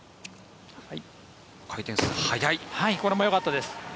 これもよかったです。